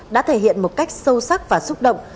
đã thể hiện một cách sâu sắc và xúc động